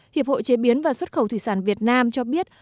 hiệp hội chế biến và xuất khẩu thủy sản việt nam cho biết